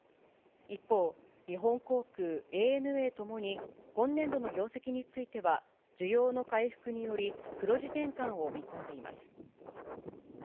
一方、日本航空、ＡＮＡともに、今年度の業績については、需要の回復により、黒字転換を見込んでいます。